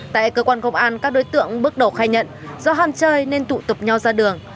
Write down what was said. tại cơ quan công an các đối tượng bước đầu khai nhận do ham chơi nên tụ tập nhau ra đường